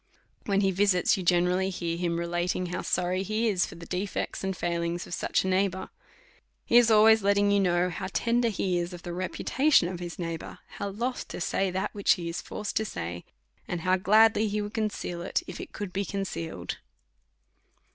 When he visits, you generally hear him relating how sorry he is for the defects and failings of such a neighbour. He is al ways letting you know how tender he is of the repu tation of his neighbour; how loth to say that which he is forced to say ; and how gladly he would conceal itj if it could be concealed.